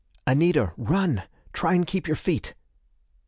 "Anita, run! Try and keep your feet."